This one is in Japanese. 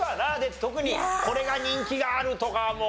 特にこれが人気があるとかも。